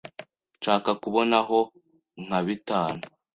nshaka kubonaho nka bitanu